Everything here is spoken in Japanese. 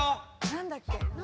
何だっけ？